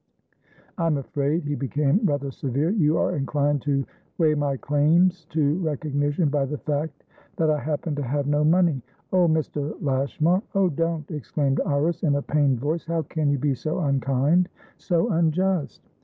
I'm afraid" he became rather severe"you are inclined to weigh my claims to recognition by the fact that I happen to have no money" "Oh, Mr. Lashmar! Oh, don't!" exclaimed Iris, in a pained voice. "How can you be so unkindso unjust!"